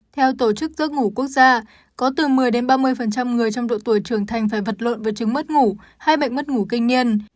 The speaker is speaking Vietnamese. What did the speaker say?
theo tổ chức giấc ngủ quốc gia có từ một mươi ba mươi người trong độ tuổi trưởng thành phải vật lộn vật chứng mất ngủ hay bệnh mất ngủ kinh niên